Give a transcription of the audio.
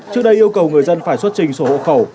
trước đây yêu cầu người dân phải xuất trình sổ hộ khẩu